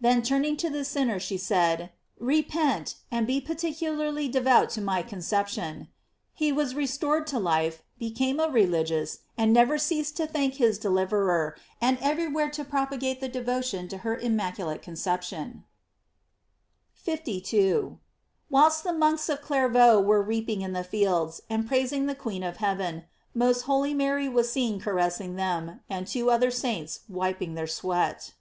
Then turning to the sinner, she said: "Repent," and be particularly devout to my Conception.! * Fatrign. Men. 8 lug. t Eus. Nier. Troph. Mar. L ?, c. 14 GLORIES OF MARY 707 He was restored to life, became a religious, and never ceased to lhank his deliverer, and every where to propagate the devotion to her immac ulate Conception.* 52. — Whilst the monks of Clairvaux were reaping in the fields, and praising the queen of heaven, most holy Mary was seen caressing them, and two other saints wiping their sweat.